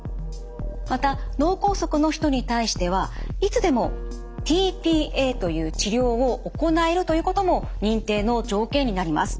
また脳梗塞の人に対してはいつでもｔ−ＰＡという治療を行えるということも認定の条件になります。